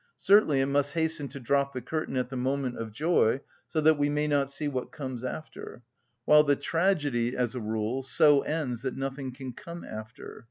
Certainly it must hasten to drop the curtain at the moment of joy, so that we may not see what comes after; while the tragedy, as a rule, so ends that nothing can come after.